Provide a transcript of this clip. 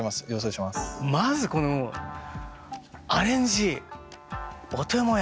まずこのアレンジ「おてもやん」